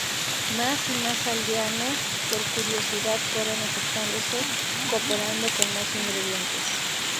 Más y más aldeanos por curiosidad fueron acercándose, cooperando con más ingredientes.